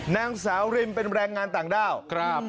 นางสาวริมเป็นแรงงานต่างด้าวครับ